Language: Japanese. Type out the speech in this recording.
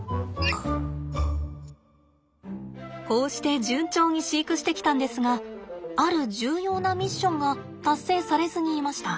こうして順調に飼育してきたんですがある重要なミッションが達成されずにいました。